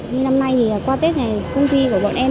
như năm nay thì qua tết này công ty của bọn em